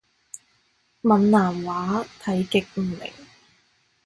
閩南話睇極唔明